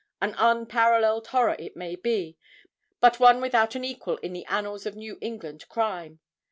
An unparalleled horror it may be, but one without an equal in the annals of New England crime.